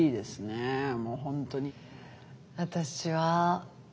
もう本当に。